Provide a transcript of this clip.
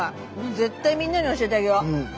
絶対みんなに教えてあげよう。